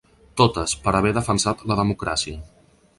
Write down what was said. Totes, per haver defensat la democràcia.